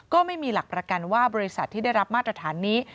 ก็ไม่มีหลักประกันว่าบริษัทที่ได้รับมาตรฐานนี้